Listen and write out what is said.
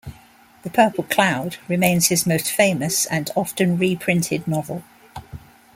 "The Purple Cloud" remains his most famous and often reprinted novel.